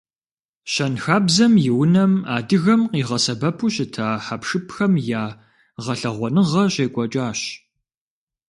Щэнхабзэм и унэм адыгэм къигъэсэбэпу щыта хьэпшыпхэм я гъэлъэгъуэныгъэ щекӏуэкӏащ.